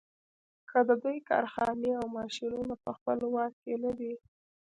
که د دوی کارخانې او ماشینونه په خپل واک کې نه دي.